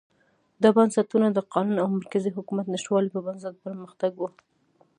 دا بنسټونه د قانون او مرکزي حکومت نشتوالي په نسبت پرمختګ و.